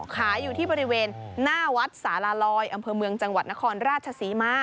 ขายอยู่ที่บริเวณหน้าวัดสารลอยอำเภอเมืองจังหวัดนครราชศรีมา